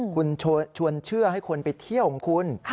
คุณชวนเชื่อให้คนไปเที่ยวของคุณ